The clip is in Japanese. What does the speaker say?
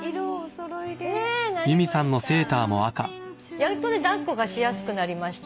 やっとね抱っこがしやすくなりまして。